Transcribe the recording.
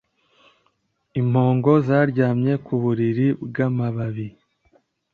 Impongo zaryamye ku buriri bwamababi